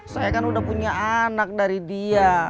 saya kan udah punya anak dari dia